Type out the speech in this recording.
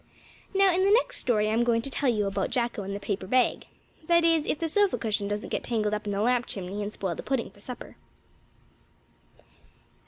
Now, in the next story I'm going to tell you about Jacko and the paper bag that is, if the sofa cushion doesn't get tangled up in the lamp chimney and spoil the pudding for supper.